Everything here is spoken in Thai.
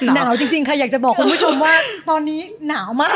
หนาวจริงค่ะอยากจะบอกคุณผู้ชมว่าตอนนี้หนาวมาก